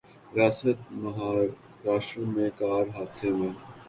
ریاست مہاراشٹرا میں کار حادثے میں